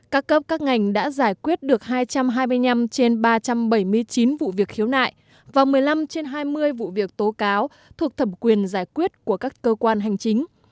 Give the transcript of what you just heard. các cấp các ngành đã giải quyết được hai trăm hai mươi năm trên ba trăm bảy mươi chín vụ việc khiếu nại và một mươi năm trên hai mươi vụ việc tố cáo thuộc thẩm quyền giải quyết của các cơ quan hành chính